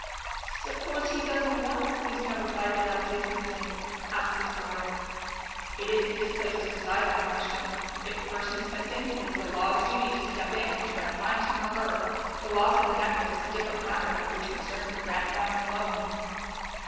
"Suppose he doesn't want the police notified that Elsie is missing?" asked his daughter. "It isn't his place to decide that question. If a person is missing, it's the law's duty to step in and try to find him or her. The loss of the necklace is a different matter, which concerns the Grant family alone."